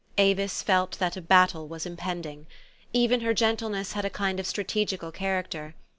Avis felt that a battle was impending. Even her gentleness had a kind of strategical character.